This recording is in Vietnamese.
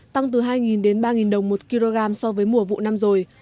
tăng từ hai đến ba đồng một kg so với mùa vụ năm rồi